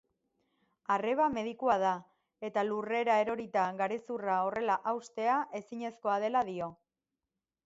Arreba medikua da eta lurrera erorita garezurra horrela haustea ezinezkoa dela dio.